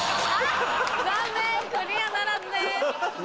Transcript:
残念クリアならずです。